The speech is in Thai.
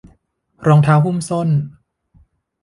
รองเท้าหุ้มส้น